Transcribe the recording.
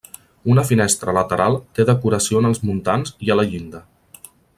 Una finestra lateral té decoració en els muntants i a la llinda.